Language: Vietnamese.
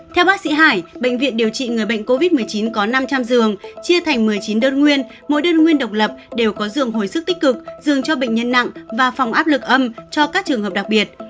theo bác sĩ hải bệnh viện điều trị người bệnh covid một mươi chín có năm trăm linh giường chia thành một mươi chín đơn nguyên mỗi đơn nguyên độc lập đều có giường hồi sức tích cực dương cho bệnh nhân nặng và phòng áp lực âm cho các trường hợp đặc biệt